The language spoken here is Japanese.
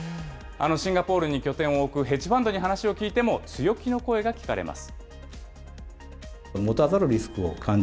シンガポールに拠点を置くヘッジファンドに話を聞いても、強気の声が聞かれます。